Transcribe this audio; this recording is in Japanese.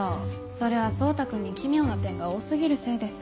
それは蒼汰君に奇妙な点が多過ぎるせいです。